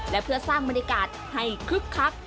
และเพื่อสร้างบรรยากาศให้คึกคัก